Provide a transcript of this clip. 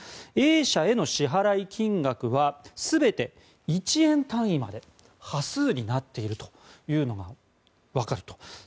Ａ社への支払金額は全て１円単位まで端数になっているのがわかると。